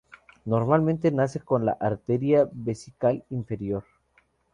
Normalmente nace con la arteria vesical inferior.